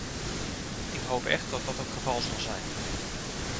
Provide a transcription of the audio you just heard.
Ik hoop echt dat dat het geval zal zijn.